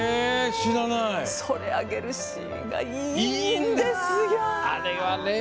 それをあげるシーンがいいんですよ。